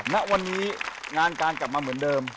ณวันนี้งานการกลับมาเหมือนเดิม